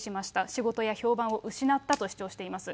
仕事や評判を失ったと主張しています。